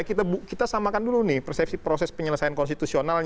nah ini maksud saya kita samakan dulu nih persepsi proses penyelesaian konstitusional